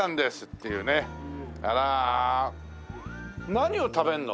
何を食べるの？